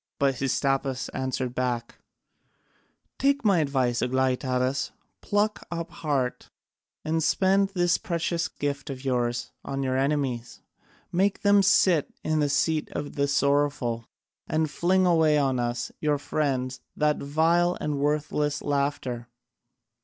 But Hystaspas answered back: "Take my advice, Aglaïtadas, pluck up heart and spend this precious gift of yours on your enemies: make them sit in the seat of the sorrowful, and fling away on us, your friends, that vile and worthless laughter.